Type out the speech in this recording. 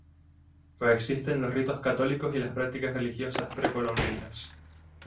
Coexisten los ritos católicos y las prácticas religiosas precolombinas.